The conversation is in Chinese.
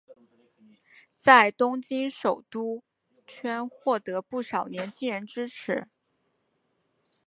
在东京首都圈获得不少年轻人支持。